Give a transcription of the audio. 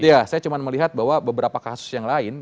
ya saya cuma melihat bahwa beberapa kasus yang lain